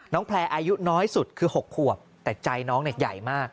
น้องแพร่อายุน้อยสุดคือ๖ขวบแต่ใจน้องใหญ่มาก